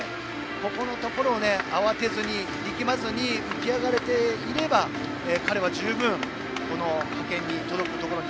ここのところを慌てず力まず浮き上がれていれば彼は十分、派遣に届くところに